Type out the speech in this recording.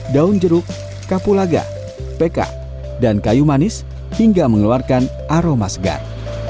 daun jeruk kapulaga peka dan kayu manis hingga mengeluarkan aroma segar